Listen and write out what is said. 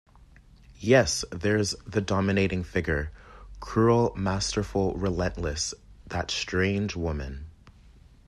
Yes, there's the dominating figure — cruel, masterful, relentless — that strange woman.